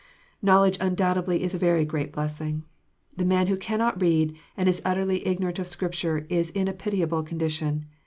Knowledge undoubtedly is a very great blessing. The man who cannot read, and is utterly ignorant of Scripture, is in a pitiable condition.